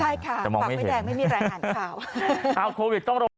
ใช่ค่ะปากไม่แดงไม่มีอะไรอ่านข่าว